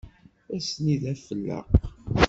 Ass-nni d afelleq.